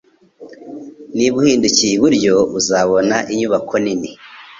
Niba uhindukiye iburyo, uzabona inyubako nini.